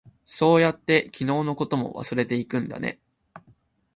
そうやって、昨日のことも忘れていくんだね。